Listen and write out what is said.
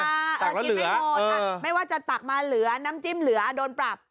กินไม่หมดไม่ว่าจะตักมาเหลือน้ำจิ้มเหลือโดนปรับ